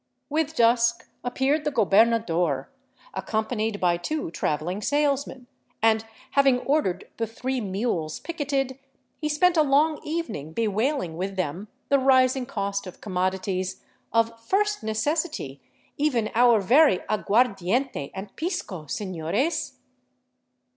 With dusk ap peared the gobernador, accompanied by two traveling salesmen, and having ordered the three mules picketed, he spent a long evening bewail ing with them the rising cost of commodities " of first necessity, even our very aguardiente and pisco, seiiores."